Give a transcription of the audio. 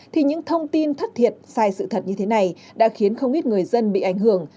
thì những thông tin thất thiệt sai sự thật như thế này đã khiến không ít người dân bị ảnh hưởng